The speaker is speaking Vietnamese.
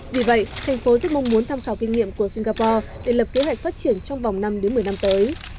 vì vậy thành phố rất mong muốn tham khảo kinh nghiệm của singapore để lập kế hoạch phát triển trong vòng năm một mươi năm tới